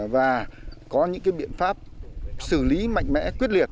và có những biện pháp xử lý mạnh mẽ quyết liệt